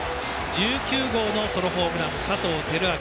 １９号のソロホームラン佐藤輝明。